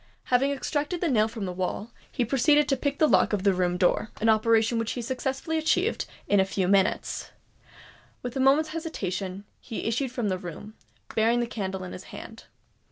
Having extracted the nail from the wall, he proceeded to pick the lock of the room door—an operation which he successfully achieved in a few minutes. Without a moment's hesitation, he issued from the room, bearing the candle in his hand.